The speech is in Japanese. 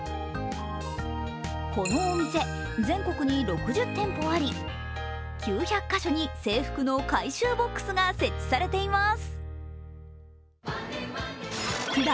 このお店、全国に６０店舗あり、９００か所に制服の回収ボックスが設置されています。